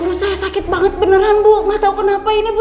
perut saya sakit banget beneran bu